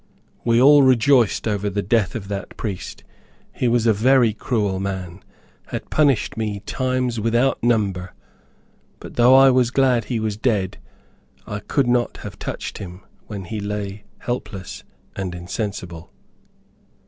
We all rejoiced over the death of that priest. He was a very cruel man; had punished me times without number, but, though I was glad he was dead, I could not have touched him when he lay helpless and insensible.